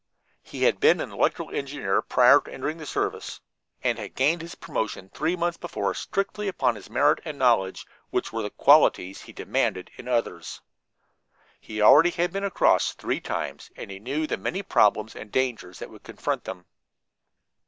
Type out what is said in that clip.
He had been an electrical engineer prior to entering the service, and had gained his promotion three months before strictly upon his merit and knowledge, which were the qualities he demanded in others. He already had been "across" three times, and he knew the many problems and dangers that would confront them.